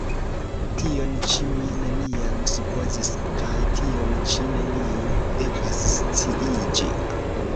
tion ĉi mi neniam supozis kaj tion ĉi neniu devas sciiĝi!